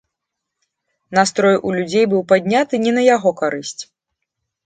Настрой у людзей быў падняты не на яго карысць.